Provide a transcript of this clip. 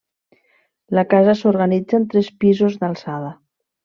La casa s'organitza en tres pisos d'alçada.